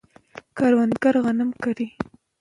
کروندګر غنم کري.